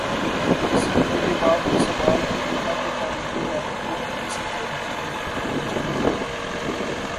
اس حملے کے بعد یہ سوال بھی اٹھا کہ تعلیمی اداروں کو اپنی سکیورٹی بہتر کرنی چاہیے۔